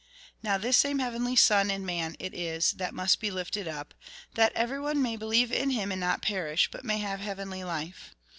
Now, this same heavenly son in man it is that must be lifted up, that everyone may believe in him and not perish, but may have heavenly life.